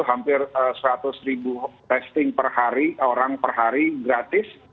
hampir seratus ribu testing per hari orang per hari gratis